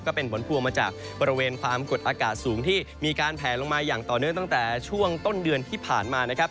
ก็เป็นผลพวงมาจากบริเวณความกดอากาศสูงที่มีการแผลลงมาอย่างต่อเนื่องตั้งแต่ช่วงต้นเดือนที่ผ่านมานะครับ